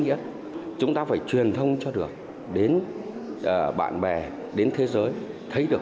như subscribe cho kênh lalaschool để không bỏ lỡ những video hấp dẫn